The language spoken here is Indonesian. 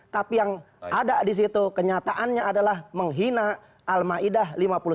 tapi yang ada di situ kenyataannya adalah menghina al ma'idah lima puluh satu